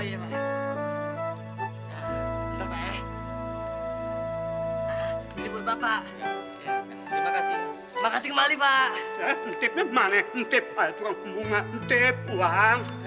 eh ngutipnya mana ngutip ada di bawah bunga ngutip buang